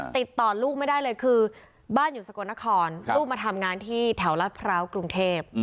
ติดต่อลูกไม่ได้เลยคือบ้านอยู่สกลนครลูกมาทำงานที่แถวรัฐพร้าวกรุงเทพ